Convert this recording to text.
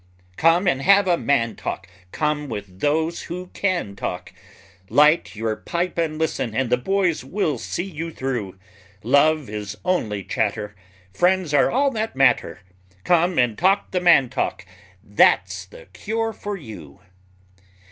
Come and have a man talk, Come with those who can talk, Light your pipe and listen, and the boys will see you through; Love is only chatter, Friends are all that matter; Come and talk the man talk; that's the cure for you!